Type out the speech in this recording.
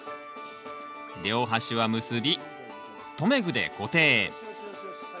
両端は結び留め具で固定。